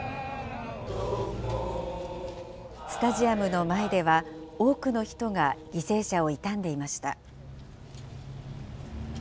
スタジアムの前では、多くの人が犠牲者を悼んでいました。